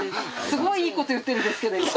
すごいいいこと言ってるんですけど今。